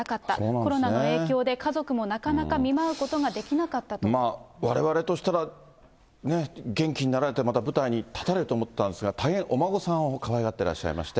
コロナの影響で家族もなかなか見われわれとしたら、元気になられてまた舞台に立たれると思ったんですが、大変お孫さんをかわいがってらっしゃいまして。